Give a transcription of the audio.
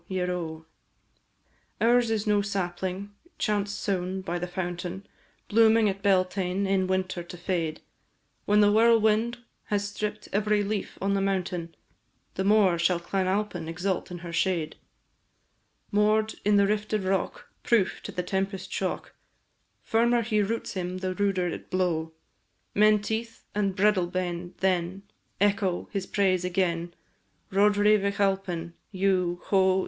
ieroe! Ours is no sapling, chance sown by the fountain, Blooming at Beltane, in winter to fade; When the whirlwind has stripp'd every leaf on the mountain, The more shall Clan Alpine exult in her shade; Moor'd in the rifted rock Proof to the tempest shock, Firmer he roots him the ruder it blow; Menteith and Breadalbane, then, Echo his praise agen, Roderigh Vich Alpine dhu, ho!